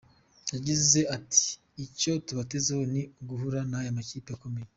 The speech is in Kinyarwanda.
Yagize ati“ Icyo tubatezeho ni uguhura n’aya makipe akomeye.